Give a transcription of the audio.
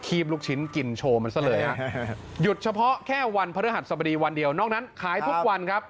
บลูกชิ้นกินโชว์มันซะเลยฮะหยุดเฉพาะแค่วันพระฤหัสสบดีวันเดียวนอกนั้นขายทุกวันครับ